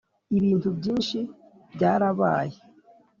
ibintu byinshi byarabaye